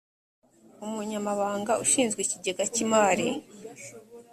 umunyamabanga ushinzwe ikigega cy imari